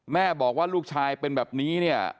แม่บอกว่าลูกชายเป็นแบบนี้เนี่ย